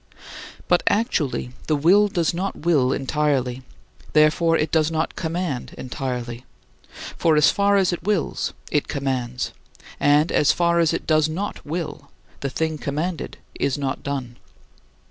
But actually the will does not will entirely; therefore it does not command entirely. For as far as it wills, it commands. And as far as it does not will, the thing commanded is not done.